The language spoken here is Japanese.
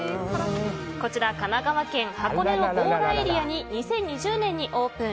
こちらは神奈川県箱根の強羅エリアに２０２０年にオープン。